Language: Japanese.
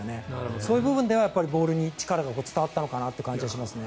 そういう部分ではボールに力が伝わったのかなという感じがしますね。